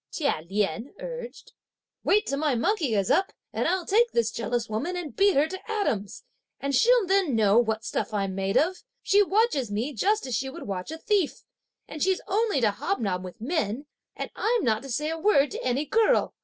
Chia Lien urged; "wait till my monkey is up, and I'll take this jealous woman, and beat her to atoms; and she'll then know what stuff I'm made of. She watches me just as she would watch a thief! and she's only to hobnob with men, and I'm not to say a word to any girl!